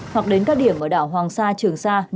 hoặc đến các điểm ở đảo hoàng sa trường sa neo tranh chú bão